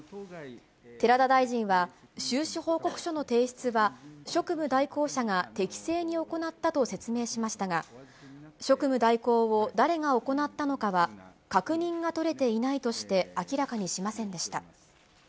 寺田大臣は、収支報告書の提出は、職務代行者が適正に行ったと説明しましたが、職務代行を誰が行ったのかは、確認が取れていないとして、明らかにしませんでした。